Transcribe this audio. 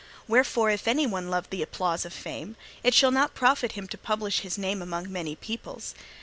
Wherefore, if any love the applause of fame, it shall not profit him to publish his name among many peoples.